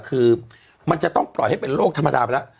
คือมันจะต้องปล่อยให้เป็นโรคธรรมดาไปแล้ว